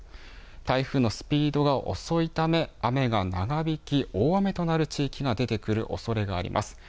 台風のスピードが遅いため雨が長引き大雨となる地域が出てくるおそれがあります。